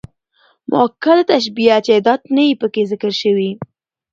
مؤکده تشبيه، چي ادات نه يي پکښي ذکر سوي.